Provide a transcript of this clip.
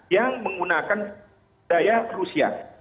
yang menggunakan daya rusia